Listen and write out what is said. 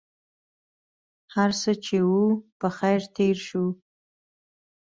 هرڅه چې و په خیر تېر شو.